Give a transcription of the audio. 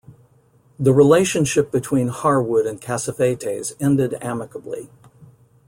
The relationship between Harwood and Cassavetes ended amicably.